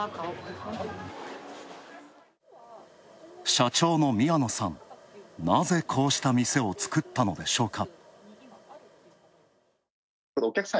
社長の宮野さん、なぜ、こうした店を作ったのでしょうか。